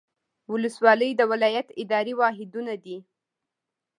ولسوالۍ د ولایت اداري واحدونه دي